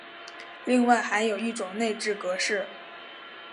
另外还有一种内置格式。